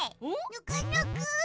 ぬくぬく！